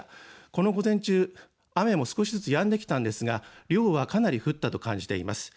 この午前中、雨も少しずつやんできたんですが量はかなり降ったと感じています。